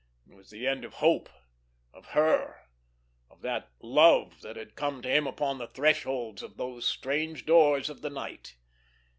It was the end of hope—of her—of that love that had come to him upon the thresholds of these strange doors of the night.